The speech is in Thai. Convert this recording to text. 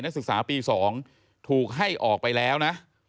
ศึกษาปี๒ถูกให้ออกไปแล้วนะ